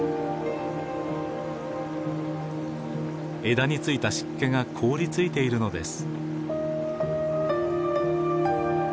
枝に付いた湿気が凍りついているのです。